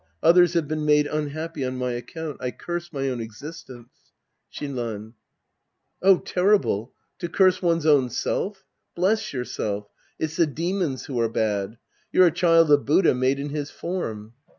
Others have been made unhappy on my account. I curse my own existence. Shinran. Oh, terrible ! To curse one's own self! Bless yourself. It's the demons who are bad. You're a cliild of Buddha made in his form.